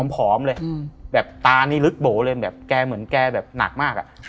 ผอมเลยแบบตานี่ลึกโบ๋เลยแบบแกเหมือนแกแบบหนักมากอะ